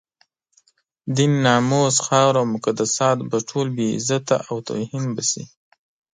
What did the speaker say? دين، ناموس، خاوره او مقدسات به ټول بې عزته او توهین به شي.